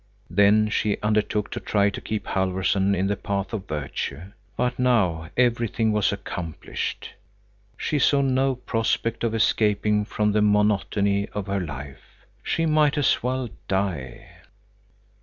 Then she undertook to try to keep Halfvorson in the path of virtue, but now everything was accomplished. She saw no prospect of escaping from the monotony of her life. She might as well die.